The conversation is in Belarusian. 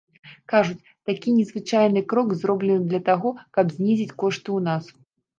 Кажуць, такі незвычайны крок зроблены для таго, каб знізіць кошты ў нас.